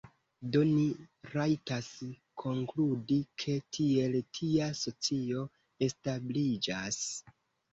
Do ni rajtas konkludi ke tiel tia socio establiĝas.